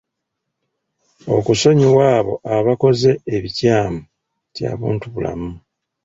Okusonyiwa abo abakkoze ebikyamu kya buntubulamu.